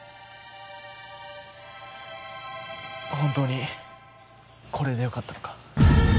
本当にこれでよかったのか？